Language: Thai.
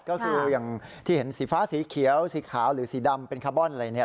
ก็คืออย่างที่เห็นสีฟ้าสีเขียวสีขาวหรือสีดำเป็นคาร์บอนอะไรเนี่ย